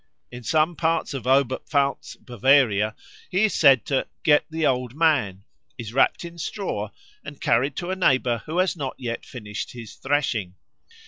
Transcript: In some parts of Oberpfalz, Bavaria, he is said to "get the Old Man," is wrapt in straw, and carried to a neighbour who has not yet finished his threshing.